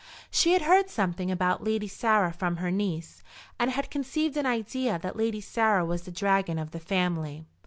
She had heard something about Lady Sarah from her niece, and had conceived an idea that Lady Sarah was the dragon of the family.